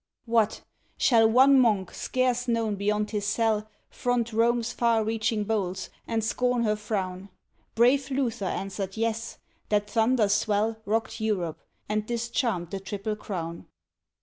What! shall one monk, scarce known beyond his cell, Front Rome's far reaching bolts, and scorn her frown? Brave Luther answered Yes; that thunder's swell Rocked Europe, and discharmed the triple crown.